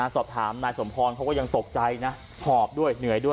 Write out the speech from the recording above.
สอบถามนายสมพรเขาก็ยังตกใจนะหอบด้วยเหนื่อยด้วย